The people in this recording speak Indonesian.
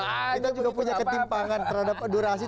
kita juga punya ketimpangan terhadap durasi